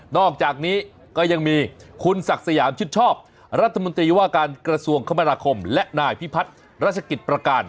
อกจากนี้ก็ยังมีคุณศักดิ์สยามชิดชอบรัฐมนตรีว่าการกระทรวงคมนาคมและนายพิพัฒน์รัชกิจประการ